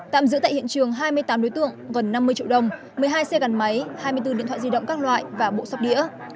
tạm giữ tại hiện trường hai mươi tám đối tượng gần năm mươi triệu đồng một mươi hai xe gắn máy hai mươi bốn điện thoại di động các loại và bộ sắp đĩa